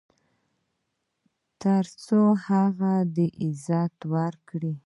تر څو هغه دې عزت وکړي .